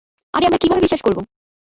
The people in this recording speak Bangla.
আরে আমরা কিভাবে বিশ্বাস করব?